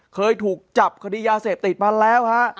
เคยถูกจับคดียาเสพติดมาแล้วฮะ